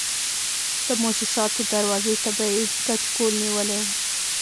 د موسساتو دروازې ته به یې کچکول نیولی و.